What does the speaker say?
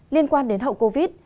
liên quan đến hậu covid